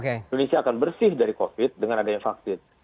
indonesia akan bersih dari covid dengan adanya vaksin